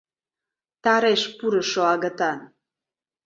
Тареш пурышо агытан!